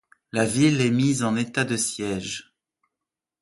La ville est mise en état de siège.